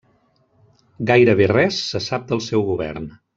Gairebé res se sap del seu govern.